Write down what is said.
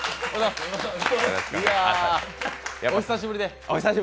いや、お久しぶりで。